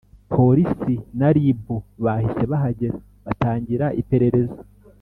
polisi na rib bahise bahagera batangira iperereza.